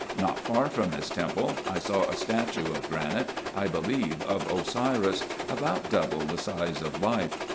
Not far from this temple, I saw a statue of granite, I believe of Osiris, about double the size of life.